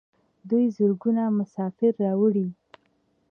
دوی زرګونه مسافر راوړي.